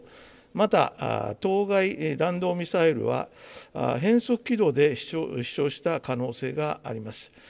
また当該弾道ミサイルは、変則軌道で飛しょうした可能性があります。